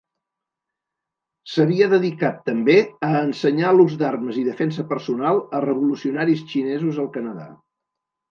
S'havia dedicat, també, a ensenyar l'ús d'armes i defensa personal a revolucionaris xinesos al Canadà.